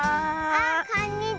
あっこんにちは。